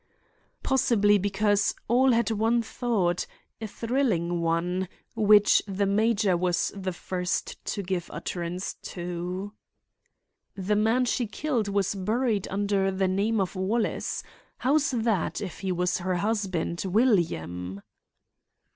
Possibly because all had one thought—a thrilling one, which the major was the first to give utterance to. "The man she killed was buried under the name of Wallace. How's that, if he was her husband, William?"